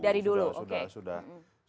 dari dulu oke